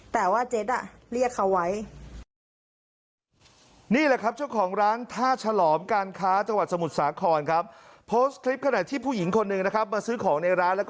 แต่ว่าเจ็ตเรียกเขาไว้